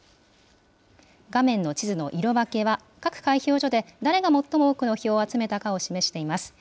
画面の地図の色分けは、各開票所で誰が最も多くの票を集めたかを示しています。